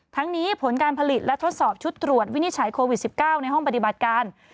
ทั้งนี้ผลการผลิตและทดสอบชุดตรวจวินิจฉัยโควิด๑๙ในห้องปฏิบัติการ